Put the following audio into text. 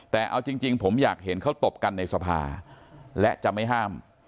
แต่เอาจริงผมอยากเห็นเขาตบกันในสภาและจะไม่ห้าม